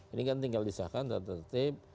ini kan tinggal disahkan tata tertib